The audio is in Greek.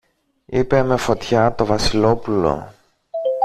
είπε με φωτιά το Βασιλόπουλο